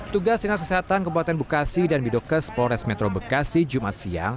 tugas senar sesehatan kabupaten bukasi dan bidokes polres metro bukasi jumat siang